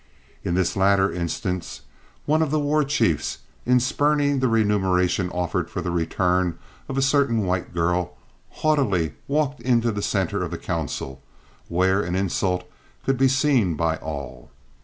In this latter instance, one of the war chiefs, in spurning the remuneration offered for the return of a certain white girl, haughtily walked into the centre of the council, where an insult could be seen by all.